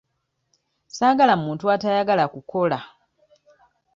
Saagala muntu atayagala kukola.